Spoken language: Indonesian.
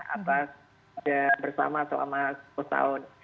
atas sudah bersama selama sepuluh tahun